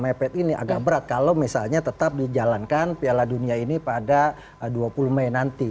mepet ini agak berat kalau misalnya tetap dijalankan piala dunia ini pada dua puluh mei nanti